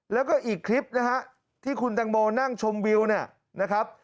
แล้วก็อีกคลิปนะฮะที่คุณตังโมนั่งชมวิวเนี่ยนะครับ